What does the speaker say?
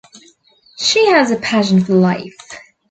She has a passion for life.